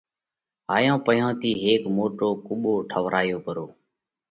هائيون پئِيهون ٿِي هيڪ موٽو قُٻو ٺوَرايو پرو۔